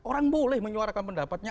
orang boleh menyuarakan pendapatnya